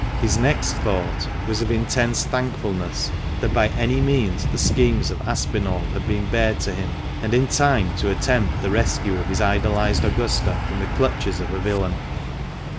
His next thought was of intense thankfulness that by any means the schemes of Aspinall had been bared to him, and in time to attempt the rescue of his idolised Augusta from the clutches of a villain.